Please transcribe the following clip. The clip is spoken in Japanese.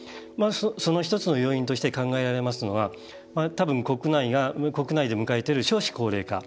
その１つの要因として考えられますのが多分国内で迎えている少子高齢化